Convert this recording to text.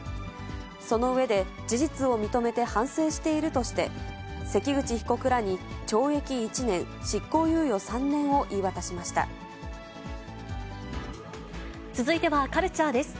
その上で、事実を認めて反省しているとして、関口被告らに懲役１年、執行猶予３年を言い渡しまし続いてはカルチャーです。